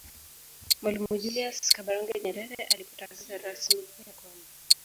Mwalimu Julius Kambarage Nyerere alipotangaza rasmi ya kwamba